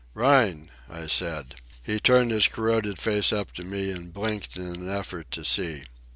"Rhine!" I said. He turned his corroded face up to me and blinked in an effort to see.